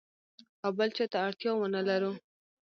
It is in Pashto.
او بل چاته اړتیا ونه لرو.